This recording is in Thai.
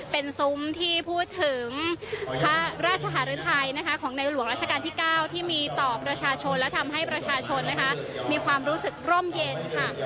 เป็นซุ้มที่พูดถึงพระราชหารุทัยนะคะของในหลวงราชการที่๙ที่มีต่อประชาชนและทำให้ประชาชนนะคะมีความรู้สึกร่มเย็นค่ะ